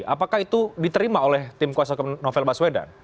apakah itu diterima oleh tim kuasa novel baswedan